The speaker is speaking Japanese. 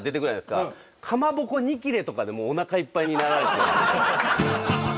かまぼこ２切れとかでもうおなかいっぱいになられて。